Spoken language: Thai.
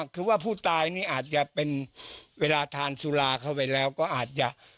คือว่าผู้ตายนี่อาจจะเป็นเวลาทานสุราเข้าไปแล้วก็อาจจะ